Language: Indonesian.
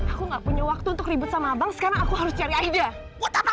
aku gak punya waktu untuk ribut sama abang sekarang aku harus cari aja